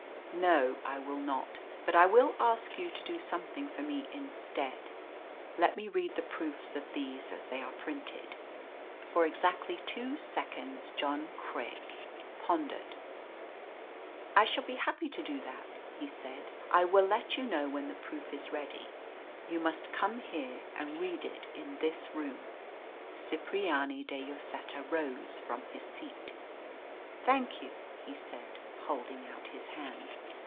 "No, I will not. But I will ask you to do something for me instead: let me read the proofs of these as they are printed." For exactly two seconds John Craik pondered. "I shall be happy to do that," he said. "I will let you know when the proof is ready. You must come here and read it in this room." Cipriani de Lloseta rose from his seat. "Thank you," he said, holding out his hand.